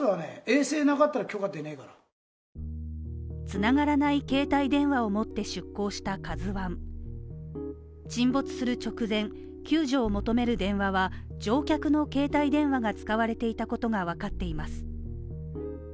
繋がらない携帯電話を持って出航した「ＫＡＺＵ１」沈没する直前、救助を求める電話は乗客の携帯電話が使われていたことがわかっています。